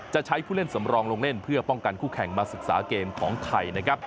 จะใช้ผู้เล่นสำรองลงเล่นเพื่อป้องกันคู่แข่งมาศึกษาเกมของไทยนะครับ